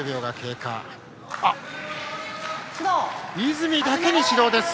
泉だけに指導です！